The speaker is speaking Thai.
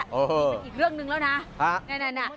เอออีกเรื่องหนึ่งแล้วนะ